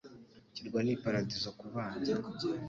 Ikirwa ni paradizo kubana.